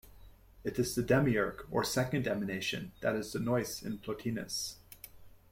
It is the demiurge or second emanation that is the nous in Plotinus.